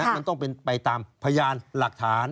มันต้องเป็นไปตามพยานหลักฐาน